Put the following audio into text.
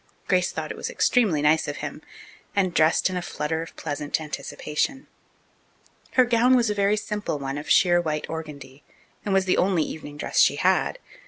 Grace thought it extremely nice of him, and dressed in a flutter of pleasant anticipation. Her gown was a very simple one of sheer white organdie, and was the only evening dress she had.